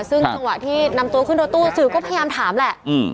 ซึ่งจังหวะที่นำตัวขึ้นรถตู้สื่อก็พยายามถามแหละ